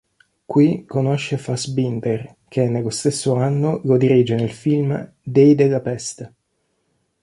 Qui conosce Fassbinder che, nello stesso anno, lo dirige nel film "Dei della peste".